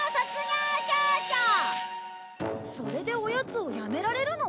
それでおやつをやめられるの？